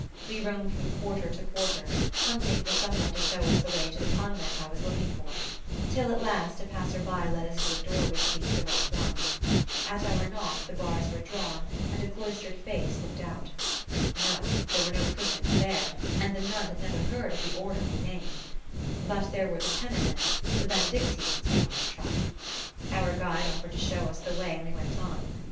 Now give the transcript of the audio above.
We roamed from quarter to quarter, hunting for some one to show us the way to the convent I was looking for, till at last a passer by led us to a door which seemed the right one. At our knock the bars were drawn and a cloistered face looked out. No, there were no cushions there; and the nun had never heard of the order we named. But there were the Penitents, the Benedictines we might try. Our guide offered to show us the way and we went on.